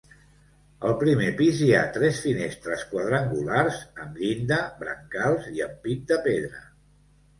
Al primer pis hi ha tres finestres quadrangulars amb llinda, brancals i ampit de pedra.